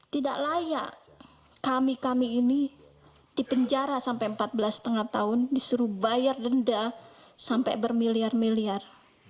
tidak layak kami kami ini dipenjara sampai empat belas lima tahun disuruh bayar denda sampai bermiliar miliar